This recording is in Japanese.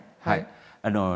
はい。